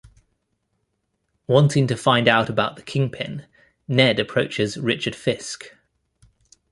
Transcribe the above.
Wanting to find out about the Kingpin, Ned approaches Richard Fisk.